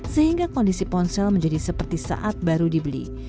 sehingga kondisi ponsel menjadi seperti saat baru dibeli